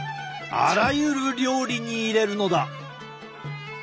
あらゆる料理に入れるのだ！